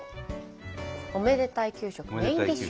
おめでたい給食メインディッシュですから。